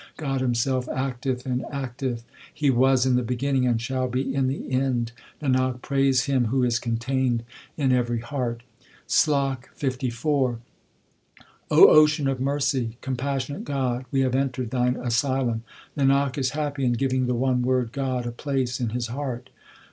God Himself acted and acteth ; He was in the beginning and shall be in the end. Nanak, praise Him who is contained in every heart. SLOK LIV Ocean of mercy, compassionate God, we have entered Thine asylum. Nanak is happy in giving the one word 1 God a place in his heart.